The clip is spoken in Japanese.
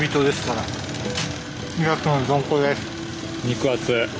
肉厚！